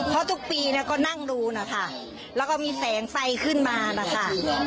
เพราะทุกปีเนี่ยก็นั่งดูนะคะแล้วก็มีแสงไฟขึ้นมานะคะ